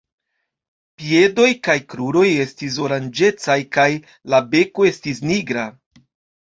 Piedoj kaj kruroj estis oranĝecaj kaj la beko estis nigra.